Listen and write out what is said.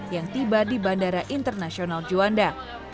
yang tiba di bandara internasional juanda